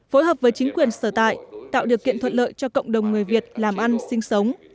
phối hợp với chính quyền sở tại tạo điều kiện thuận lợi cho cộng đồng người việt làm ăn sinh sống